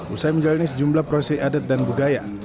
usai menjalani sejumlah prosesi adat dan budaya